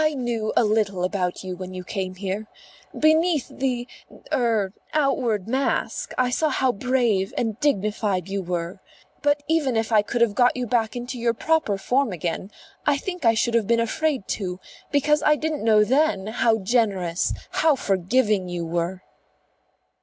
"I knew a little about you when you came here. Beneath the er outward mask I saw how brave and dignified you were. But even if I could have got you back into your proper form again, I think I should have been afraid to; because I didn't know then how generous, how forgiving you were."